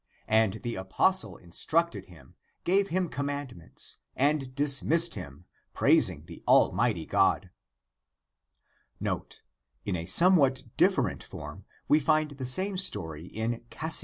x\nd (the apostle) instructed him, gave him commandments, and dis missed him, praising the Almighty God.^ 1 In a somewhat different form we find the same story in Cassian's Collat. XXIV, 21 in Bibl. Pair.